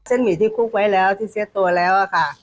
หมี่ที่คลุกไว้แล้วที่เซ็ตตัวแล้วค่ะ